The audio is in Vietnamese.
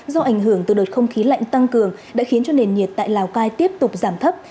do ảnh hưởng từ đợt không khí lạnh tăng cường đã khiến cho nền nhiệt tại lào cai tiếp tục giảm thấp